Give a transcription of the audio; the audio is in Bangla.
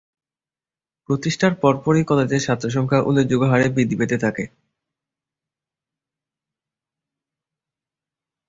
প্রতিষ্ঠার পর পরই কলেজের ছাত্রসংখ্যা উল্লেখযোগ্য হারে বৃদ্ধি পেতে থাকে।